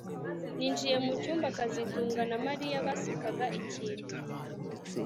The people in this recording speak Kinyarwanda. Ninjiye mucyumba kazitunga na Mariya basekaga ikintu